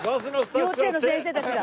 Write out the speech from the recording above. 幼稚園の先生たちが。